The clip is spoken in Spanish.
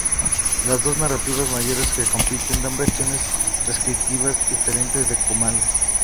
Las dos narrativas mayores que compiten, dan versiones descriptivas diferentes de Comala.